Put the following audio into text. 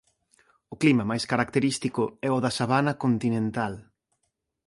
O clima máis característico é o de sabana continental.